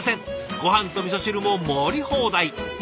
ごはんとみそ汁も盛り放題。